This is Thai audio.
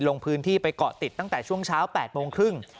ลงพื้นที่ไปเกาะติดตั้งแต่ช่วงเช้า๘โมงครึ่ง